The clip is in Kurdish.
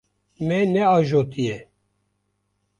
Me neajotiye.